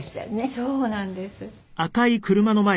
そうなんです。